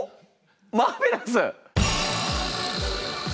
マーベラス！